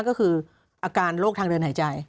ก็คืออาการโรคทางเดินหายใจ